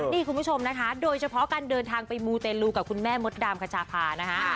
นี่คุณผู้ชมนะคะโดยเฉพาะการเดินทางไปมูเตลูกับคุณแม่มดดำคชาพานะคะ